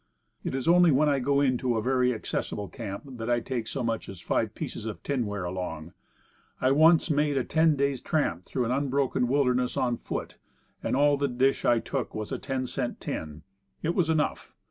It is only when I go into a very accessible camp that I take so much as five pieces of tinware along. I once made a ten days' tramp through an unbroken wilderness on foot, and all the dish I took was a ten cent tin; it was enough.